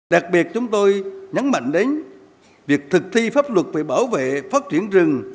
đặc biệt chúng tôi nhắn mạnh đến việc thực thi pháp luật về bảo vệ phát triển rừng